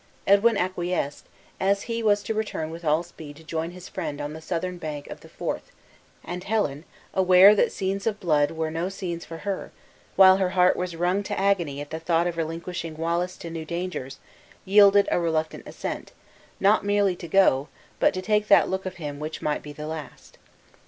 Edwin acquiesced, as he was to return with all speed to join his friend on the southern bank of the Forth; and Helen, aware that scenes of blood were no scenes for her, while her heart was wrung to agony at the thought of relinquishing Wallace to new dangers, yielded a reluctant assent, not merely to go, but to take that look of him which might be the last.